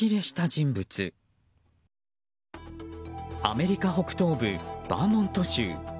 アメリカ北東部バーモント州。